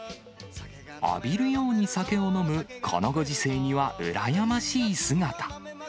浴びるように酒を飲むこのご時世にはうらやましい姿。